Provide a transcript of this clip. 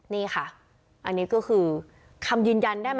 นี่ค่ะอันนี้ก็คือคำยืนยันได้ไหม